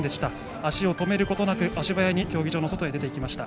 足を止めることなく足早に競技場の外に出て行きました。